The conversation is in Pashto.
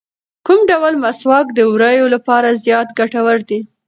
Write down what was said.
کوم ډول مسواک د ووریو لپاره زیات ګټور دی؟